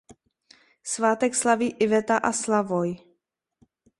Svátek slaví Iveta a Slavoj.